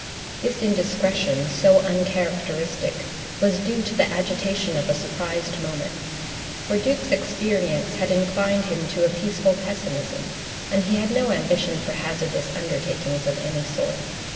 This indiscretion, so uncharacteristic, was due to the agitation of a surprised moment, for Duke's experience had inclined him to a peaceful pessimism, and he had no ambition for hazardous undertakings of any sort.